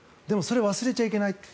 でも、それを忘れちゃいけない。